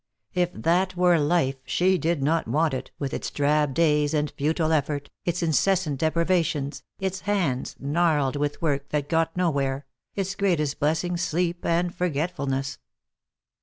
If that were life she did not want it, with its drab days and futile effort, its incessant deprivations, its hands, gnarled with work that got nowhere, its greatest blessing sleep and forgetfulness.